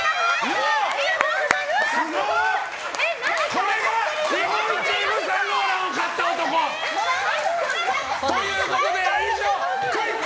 これが日本一イヴ・サンローランを買った男！ということで以上クイズ！